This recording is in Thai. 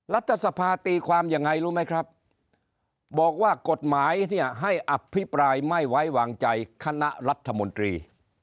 รัฐสภาตีความยังไงรู้ไหมครับบอกว่ากฎหมายเนี่ยให้อภิปรายไม่ไว้วางใจคณะรัฐมนตรี